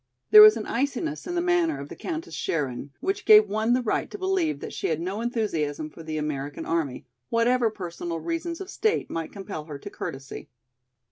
There was an iciness in the manner of the Countess Scherin which gave one the right to believe that she had no enthusiasm for the American army, whatever personal reasons of state might compel her to courtesy.